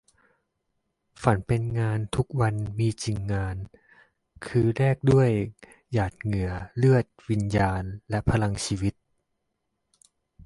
ฝันเป็นงานทุกวันมีจริงงาน คือแลกด้วยหงาดเหงื่อ เลือด วิญญาณ และพลังชีวิต